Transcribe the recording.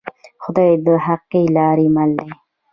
خدای د حقې لارې مل دی